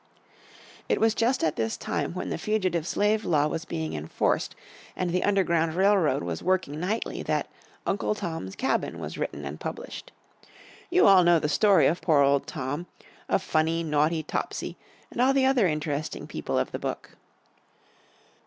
It was just at this time when the Fugitive Slave Law was being enforced, and the Underground Railroad was working nightly that "Uncle Tom's Cabin" was written and published. You all know the story of poor old Tom, of funny, naughty Topsy and all the other interesting people of the book.